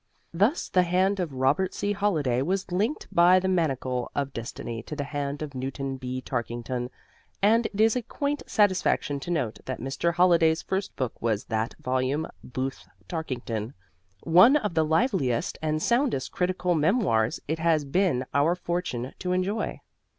Thus the hand of Robert C. Holliday was linked by the manacle of destiny to the hand of Newton B. Tarkington, and it is a quaint satisfaction to note that Mr. Holliday's first book was that volume "Booth Tarkington," one of the liveliest and soundest critical memoirs it has been our fortune to enjoy.